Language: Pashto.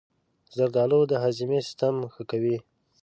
زردآلو د هاضمې سیستم ښه کوي.